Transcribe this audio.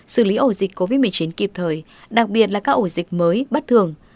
xử lý ổ dịch covid một mươi chín kịp thời đặc biệt là các ổ dịch mới bất thường